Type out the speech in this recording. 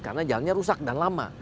karena jalannya rusak dan lama